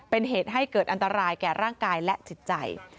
เป็นเหตุให้เกิดอันตรายแก่ร่างกายและจิตใจ